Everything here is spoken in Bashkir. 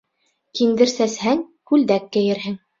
Киндер сәсһәң, күлдәк кейерһең.